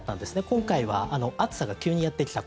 今回は暑さが急にやってきた。